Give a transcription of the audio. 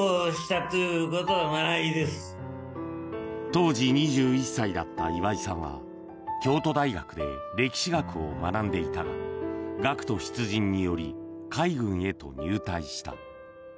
当時２１歳だった岩井さんは京都大学で歴史学を学んでいたが学徒出陣により海軍へと入隊した。